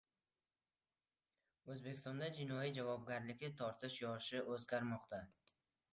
O‘zbekistonda jinoiy javobgarlikka tortish yoshi o‘zgarmoqda